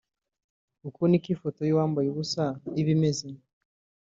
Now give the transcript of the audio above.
Uku ni ko ifoto y’uwambaye ubusa iba imeze